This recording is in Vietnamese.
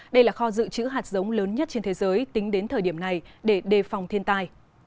đây là kho dự trữ hạt giống lớn nhất trên thế giới tính đến thời điểm này để đề phòng thiên tai